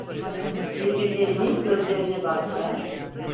Birbirlerinin gözlerine baktılar…